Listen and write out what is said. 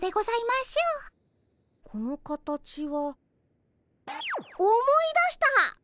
この形は思い出した！